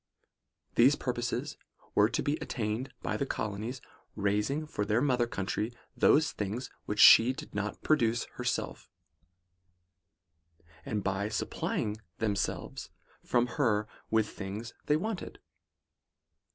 These purposes were to be attained, by the colonies raising for their mother country those things which she did not pro duce herself; and by supplying themselves from her with things they wanted.